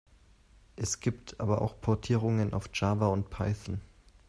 Es gibt aber auch Portierungen auf Java und Python.